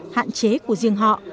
hạn chế của diễn đàn